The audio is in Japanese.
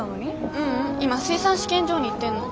ううん今水産試験場に行ってんの。